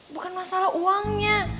bukan masalah uangnya